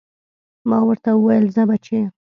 ما ورته وويل ځه بچيه.